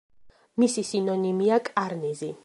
მისი სინონიმია კარნიზი.